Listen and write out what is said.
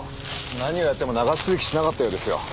何をやっても長続きしなかったようですよ